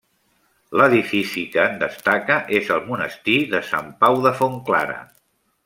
L'edifici que en destaca és el monestir de Sant Pau de Fontclara.